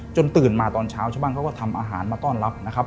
ตื่นมาตอนเช้าชาวบ้านเขาก็ทำอาหารมาต้อนรับนะครับ